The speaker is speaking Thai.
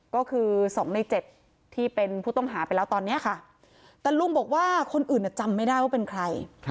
ก็คือ๒ใน๗ที่เป็นผู้ต้องหาไปแล้วตอนนี้ค่ะแต่ลุงบอกว่าคนอื่นจำไม่ได้ว่าเป็นใคร